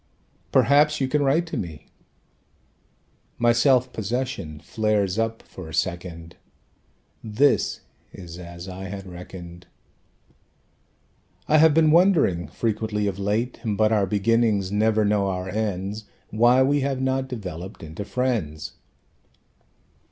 "Perhaps you can write to me." My self possession flares up for a second; This is as I had reckoned. "I have been wondering frequently of late (But our beginnings never know our ends!) Why we have not developed into friends."